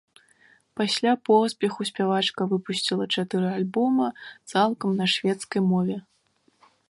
Пасля поспеху спявачка выпусціла чатыры альбома, цалкам на шведскай мове.